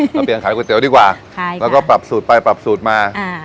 เปลี่ยนขายก๋วยเตี๋ยวดีกว่าใช่แล้วก็ปรับสูตรไปปรับสูตรมาอ่า